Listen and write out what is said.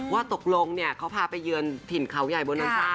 ว่าตกลงเขาพายืนถิ่นเขาใหญ่บรินัทจ้า